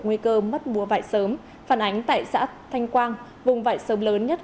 nguy cơ mất mùa vải sớm phản ánh tại xã thanh quang vùng vải sớm lớn nhất